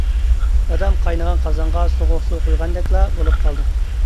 دادام قاينىغان قازانغا سوغۇق سۇ قۇيغاندەكلا بولۇپ قالدى.